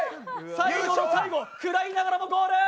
最後の最後、くらいながらもゴール！